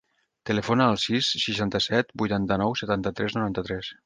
Telefona al sis, seixanta-set, vuitanta-nou, setanta-tres, noranta-tres.